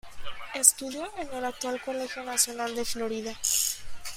Estudió en el actual Colegio Nacional de Florida.